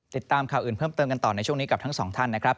ติดตามข่าวอื่นเพิ่มเติมกันต่อในช่วงนี้กับทั้งสองท่านนะครับ